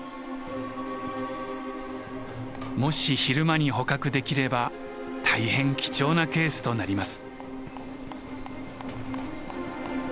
もし昼間に捕獲できれば大変貴重なケースとなります。